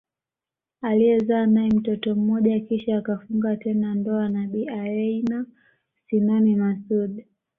Aliyezaa nae mtoto mmoja kisha akafunga tena ndoa na Bi Aweina Sinani Masoud